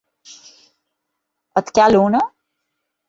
Et cal una??